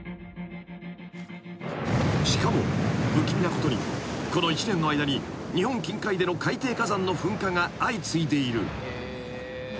［しかも不気味なことにこの１年の間に日本近海での海底火山の噴火が相次いでいる］